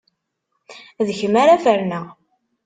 D kemm ara ferneɣ!